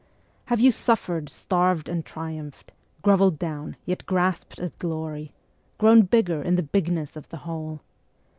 Have you suffered, starved and triumphed, groveled down, yet grasped at glory, Grown bigger in the bigness of the whole?